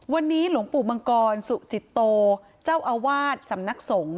วันนี้หลวงปู่มังกรสุจิตโตเจ้าอาวาสสำนักสงฆ์